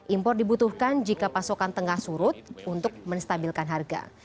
impor dibutuhkan jika pasokan tengah surut untuk menstabilkan harga